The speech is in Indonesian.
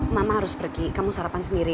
mama harus pergi kamu sarapan sendiri